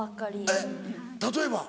えっ例えば？